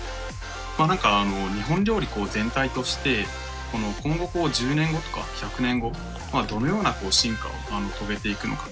何か日本料理全体として今後１０年後とか１００年後はどのような進化を遂げていくのか？